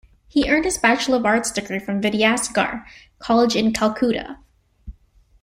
He earned his Bachelor of Arts degree from Vidyasagar College in Calcutta.